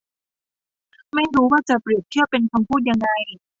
ไม่รู้ว่าจะเปรียบเทียบเป็นคำพูดยังไง